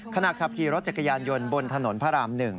ขณะขับขี่รถจักรยานยนต์บนถนนพระราม๑